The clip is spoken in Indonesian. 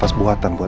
terima kasih pak